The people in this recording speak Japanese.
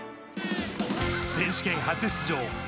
選手権初出場。